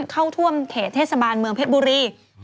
เข้าท่วมเขตเทศบาลเมืองเพชรบุรี